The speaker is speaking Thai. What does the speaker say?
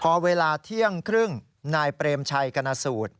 พอเวลาเที่ยงครึ่งนายเปรมชัยกรณสูตร